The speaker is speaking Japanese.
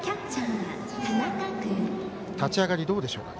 立ち上がり、どうでしょうか。